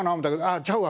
あちゃうわ